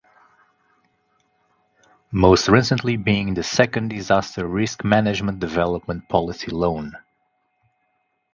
Most Recently being the Second Disaster Risk Management Development Policy Loan.